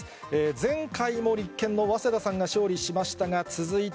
前回も立憲の早稲田さんが勝利しましたが、続いて